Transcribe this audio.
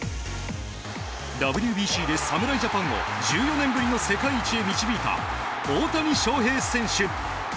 ＷＢＣで侍ジャパンを１４年ぶりの世界一へ導いた大谷翔平選手。